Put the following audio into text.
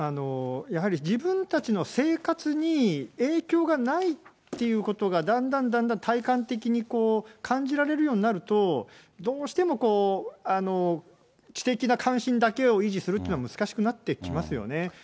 やはり自分たちの生活に影響がないっていうことが、だんだんだんだん体感的に感じられるようになると、どうしてもこう、知的な関心だけを維持するっていうのは難しくなってきますよね。